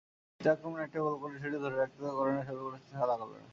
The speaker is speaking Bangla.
প্রতি-আক্রমণে একটা গোল করে সেটি ধরে রাখতে করণীয় সবই করছে সাদা-কালোরা।